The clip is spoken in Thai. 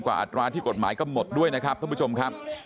อัตราที่กฎหมายกำหนดด้วยนะครับท่านผู้ชมครับ